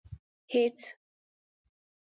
هېڅ.